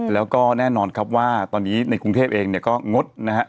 แล้วก็แน่นอนครับว่าตอนนี้ในกรุงเทพเองเนี่ยก็งดนะฮะ